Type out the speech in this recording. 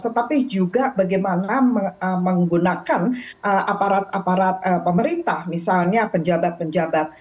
tetapi juga bagaimana menggunakan aparat aparat pemerintah misalnya pejabat pejabat